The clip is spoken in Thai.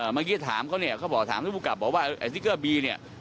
เมื่อกี้ถามเขาเนี่ยเขาบอกว่าสติ๊กเกอร์บีเนี่ย